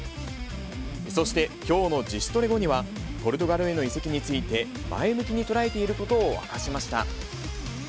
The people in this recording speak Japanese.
そして、きょうの自主トレ後には、ポルトガルへの移籍について、前向きに捉えていることを明かしました。